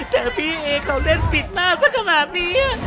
แต่พี่เอเขาเล่นปิดมากสักขนาดนี้